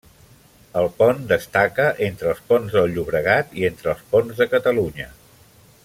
El pont destaca entre els ponts del Llobregat i entre els ponts de Catalunya.